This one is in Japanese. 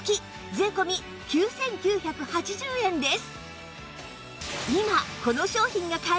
税込９９８０円です